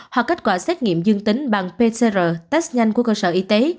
hoặc kết quả xét nghiệm dương tính bằng pcr test nhanh của cơ sở y tế